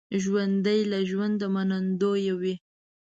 ژوندي له ژونده منندوی وي